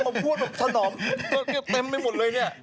มดดังมาพูดแบบสนอมเต็มไปหมดเลยเนี่ย